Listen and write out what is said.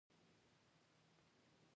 رومیان د وینې فشار راکموي